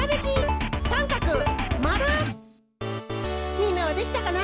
みんなはできたかな？